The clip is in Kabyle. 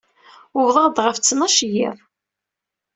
Uwḍeɣ-d ɣef ttnac n yiḍ.